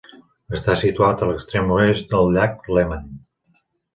Està situat a l'extrem oest del llac Léman.